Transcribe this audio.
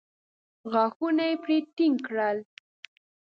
غاښونه يې پرې ټينګ کړل.